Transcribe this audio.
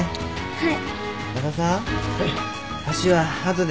はい。